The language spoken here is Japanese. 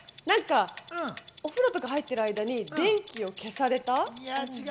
なんか、お風呂とか入ってる間に電気を消された？